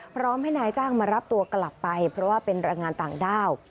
พร้อมให้นายจ้างมารับตัวกลับไปเพราะว่าเป็นแรงงานต่างด้าว